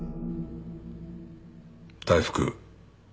大福。